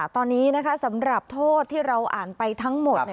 ตอนนี้นะคะสำหรับโทษที่เราอ่านไปทั้งหมด